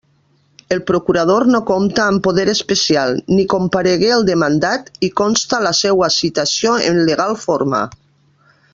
El procurador no compta amb poder especial, ni comparegué el demandat, i consta la seua citació en legal forma.